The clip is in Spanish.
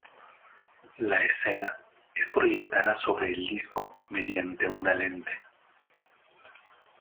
La escena es proyectada sobre el disco mediante una lente.